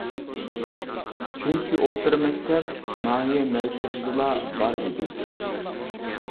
چۈنكى ئوتتۇرا مەكتەپ ناھىيە مەركىزىدىلا بار ئىدى.